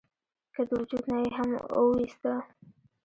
کۀ د وجود نه ئې هم اوويستۀ ؟